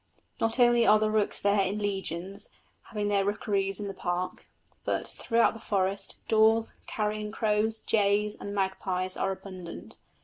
Not only are the rooks there in legions, having their rookeries in the park, but, throughout the forest, daws, carrion crows, jays, and magpies are abundant.